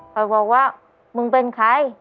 เขาบอกว่ามึงเป็นใคร